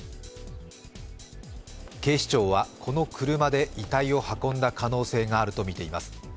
警視庁はこの車で遺体を運んだ可能性があるとみています。